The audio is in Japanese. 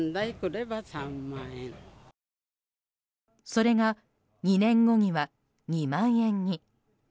それが、２年後には２万円に。